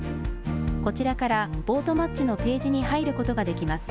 こちらからボートマッチのページに入ることができます。